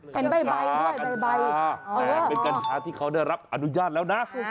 เป็นใบด้วยใบแต่เป็นกัญชาที่เขาได้รับอนุญาตแล้วนะ